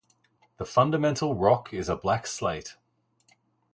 The fundamental rock is a black slate.